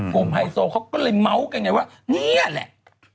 กลุ่มไฮโซเขาก็เลยเม้ากันไงว่าเนี่ยแหละ